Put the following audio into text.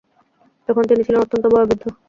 তখন তিনি ছিলেন অত্যন্ত বয়োবৃদ্ধ।